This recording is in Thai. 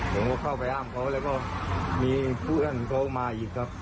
ผมก็เข้าไปห้ามเขาแล้วก็มีเพื่อนเขามาอีกครับ